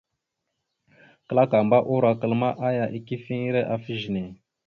Klakamba urokal ma, aya ikefiŋire afa ezine.